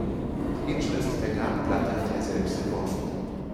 Die Inschrift der Grabplatte hatte er selbst entworfen.